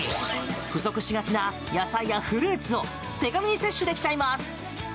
不足しがちな野菜やフルーツを手軽に摂取できちゃいます。